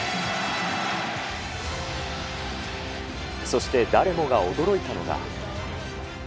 そして誰もが驚いたのが。